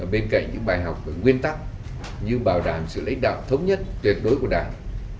bên cạnh những bài học về nguyên tắc như bảo đảm sự lãnh đạo thống nhất tuyệt đối của đảng